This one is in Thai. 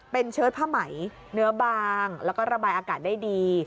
เป็นเชิดผ้าไหมเนื้อบางแล้วก็ระบายอากาศได้ดี